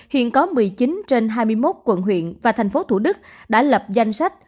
hiện có một mươi chín trên hai mươi một quận huyện và thành phố thủ đức đã lập danh sách